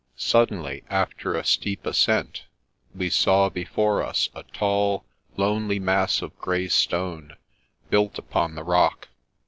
Suddenly, after a steep ascent, we saw be fore us a tall, lonely mass of grey stone, built upon the rock.